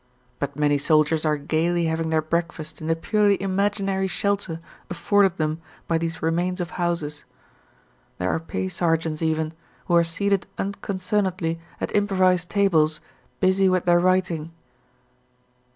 But many soldiers are gaily having their breakfast in the purely imaginary shelter afforded them by these remains of houses. There are pay sergeants even, who are seated unconcernedly at improvised tables, busy with their writing.